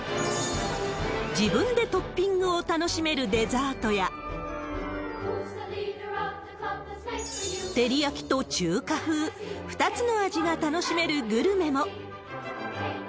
自分でトッピングを楽しめるデザートや、照り焼きと中華風、２つの味が楽しめるグルメも。